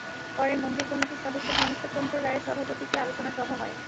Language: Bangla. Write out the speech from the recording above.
পরে মন্দির কমিটির সদস্য ধনেশ্বর চন্দ্র রায়ের সভাপতিত্বে আলোচনা সভা হয়।